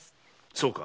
そうか。